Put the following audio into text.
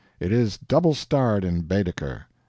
It is double starred in Baedeker.